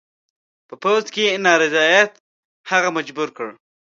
په پوځ کې نارضاییت هغه مجبور کړ.